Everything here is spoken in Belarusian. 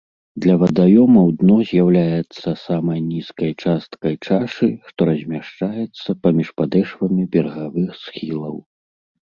Для вадаёмаў дно з'яўляецца самай нізкай часткай чашы, што размяшчаецца паміж падэшвамі берагавых схілаў.